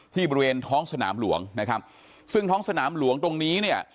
บริเวณท้องสนามหลวงนะครับซึ่งท้องสนามหลวงตรงนี้เนี่ย